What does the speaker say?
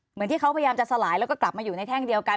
เหมือนที่เขาพยายามจะสลายแล้วก็กลับมาอยู่ในแท่งเดียวกัน